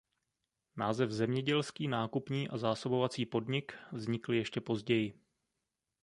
Název Zemědělský nákupní a zásobovací podnik vznikl ještě později.